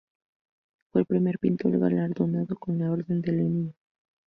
Fue el primer pintor galardonado con la Orden de Lenin.